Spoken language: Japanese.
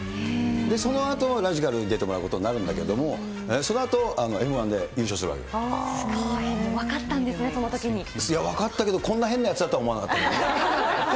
そのあと、ラジかるッに出てもらうことになるんだけれども、そのあと、すごい、分かったんですね、分かったけど、こんな変なやつだとは思わなかったね。